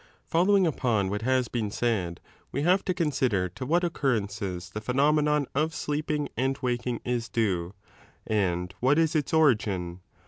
Following upon what has been said, we have to consider to what occurrences the phenomenon of sleeping and 2 waking is due and what is its origin.